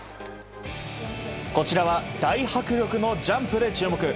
こちらは大迫力のジャンプで注目。